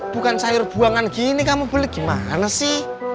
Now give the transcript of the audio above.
bukan sayur buangan gini kamu beli gimana sih